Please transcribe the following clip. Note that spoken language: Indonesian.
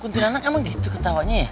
kuntilanak emang gitu ketawanya ya